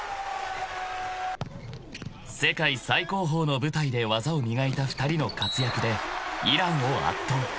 ［世界最高峰の舞台で技を磨いた２人の活躍でイランを圧倒］